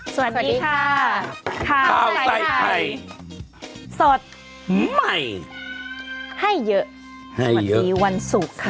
สวัสดีค่ะข้าวใส่ไข่สดใหม่ให้เยอะให้วันนี้วันศุกร์ค่ะ